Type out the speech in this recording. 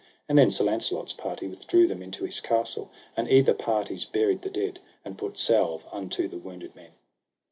And then Sir Launcelot's party withdrew them into his castle, and either parties buried the dead, and put salve unto the wounded men.